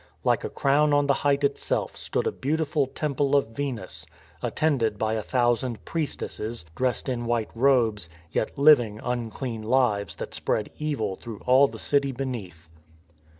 Like a crown on the height itself stood a beautiful Temple of Venus, attended by a thousand priestesses, dressed in white robes, yet living unclean lives that spread evil through all the city beneath.